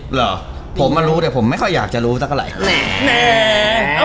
เหรอผมมารู้แต่ผมไม่ค่อยอยากจะรู้ตั้งเงื่อนนัง